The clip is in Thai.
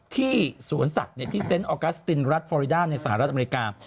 สวนสัตว์ที่เซนต์ออกัสตินรัฐฟอริดาในสหรัฐอเมริกา